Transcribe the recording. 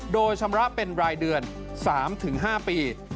โดยชำระเป็นรายเดือน๓๕ปี